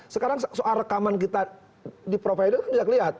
sekarang soal rekaman kita di provider kan tidak lihat